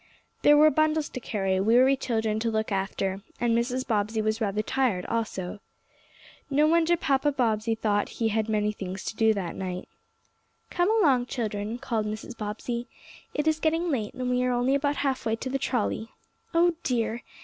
There were bundles to carry, weary children to look after, and Mrs. Bobbsey was rather tired also. No wonder Papa Bobbsey thought he had many things to do that night. "Come along, children," called Mrs. Bobbsey, "it is getting late, and we are only about half way to the trolley. Oh dear!